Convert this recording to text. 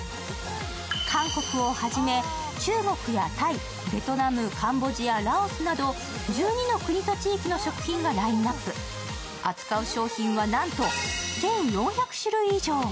韓国を初め中国やタイ、ベトナム、カンボジア、ラオスなど１２の国と地域の食品がラインナップ扱う商品はなんと１４００種類以上。